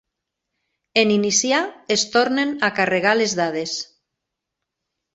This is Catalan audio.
En iniciar, es tornen a carregar les dades.